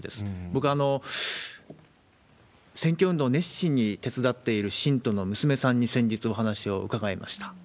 僕は選挙運動、熱心に手伝っている信徒の娘さんに先日、お話を伺いました。